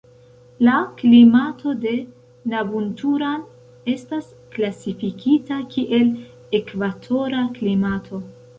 La klimato de Nabunturan estas klasifikita kiel ekvatora klimato.